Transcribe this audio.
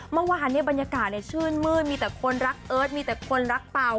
เมื่อวานเนี่ยบรรยากาศชื่นมืดมีแต่คนรักเอิร์ทมีแต่คนรักเป่า